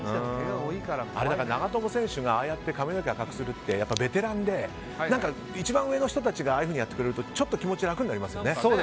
長友選手がああやって髪の毛を赤くするってベテランで一番上の人たちがああいうふうにやってくれると気持ちが楽になりますよね。